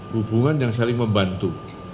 hubungan yang saling membantu